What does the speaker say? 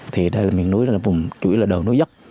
thì đây là miền núi vùng chủ yếu là đồi núi dốc